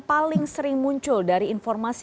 paling sering muncul dari informasi